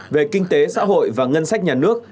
về kinh tế xã hội và ngân sách nhà nước